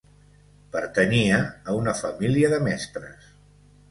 Pertanyia a una família de mestres.